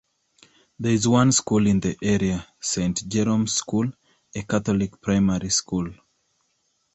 There is one school in the area, Saint Jeromes School, a Catholic primary school.